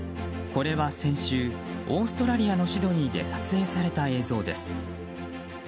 これは先週オーストラリアのシドニーで撮影された映像です。